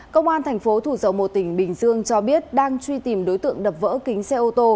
công an thành phố thủ dầu một tỉnh bình dương cho biết đang truy tìm đối tượng đập vỡ kính xe ô tô